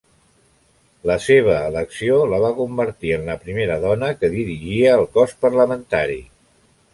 La seva elecció la va convertir en la primera dona que dirigia el cos parlamentari.